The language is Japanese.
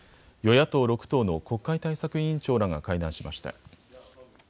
与野党６党の国会対策委員長らが会談しました。